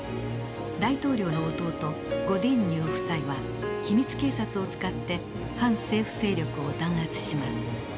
大統領の弟ゴ・ディン・ニュー夫妻は秘密警察を使って反政府勢力を弾圧します。